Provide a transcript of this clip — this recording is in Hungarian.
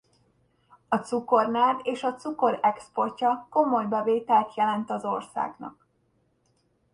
A cukornád és a cukor exportja komoly bevételt jelent az országnak.